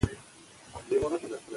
که چاپیریال پاک وي نو مرض نه ډیریږي.